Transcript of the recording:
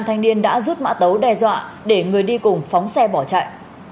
thanh niên đã rút mã tấu đe dọa để người đi cùng phóng xe bỏ chạy